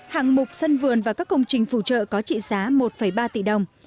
hạng mục sân vườn và các công trình phụ trợ có trị giá một ba tỷ đồng